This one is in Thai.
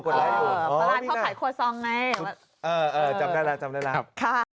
อ๋อพี่นัทจำได้แล้วจำได้แล้วครับ